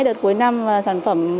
đợt cuối năm và sản phẩm